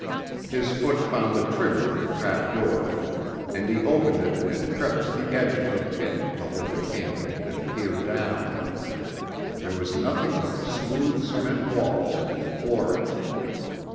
His foot found the trigger of the trapdoor, and he opened it and crept to the edge of the pit to hold the candle and peer down. There was nothing but the smooth cement walls and flooring.